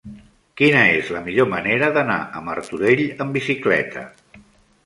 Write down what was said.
Quina és la millor manera d'anar a Martorell amb bicicleta?